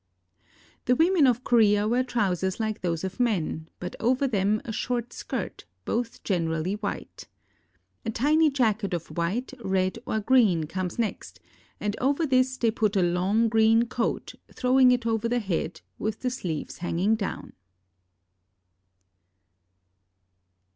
The women of Korea wear trousers like those of men, but over them a short skirt, both generally white. A tiny jacket of white, red, or green comes next, and over this they put a long green coat, throwing it over the head, with the sleeves hanging down.